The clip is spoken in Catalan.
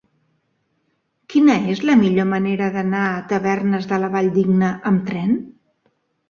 Quina és la millor manera d'anar a Tavernes de la Valldigna amb tren?